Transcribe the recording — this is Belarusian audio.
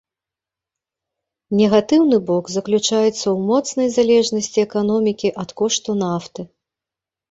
Негатыўны бок заключаецца ў моцнай залежнасці эканомікі ад кошту нафты.